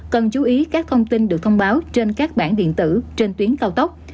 cần chú ý các thông tin được thông báo trên các bản điện tử trên tuyến cao tốc